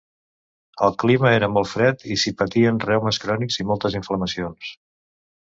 El clima era molt fred, i s'hi patien reumes crònics i moltes inflamacions.